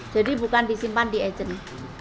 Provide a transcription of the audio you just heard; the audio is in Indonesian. bukan disimpan di agent